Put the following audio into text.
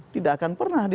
tidak akan pernah